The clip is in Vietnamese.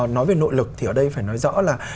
nói về nội lực thì ở đây phải nói rõ là